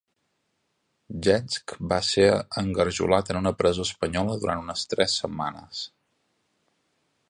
Jentzsch va ser engarjolat en una presó espanyola durant unes tres setmanes.